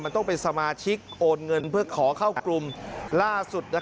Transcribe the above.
มันต้องเป็นสมาชิกโอนเงินเพื่อขอเข้ากลุ่มล่าสุด